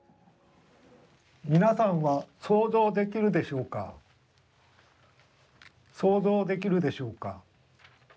皆さんは想像できるでしょうか想像できるでしょうか。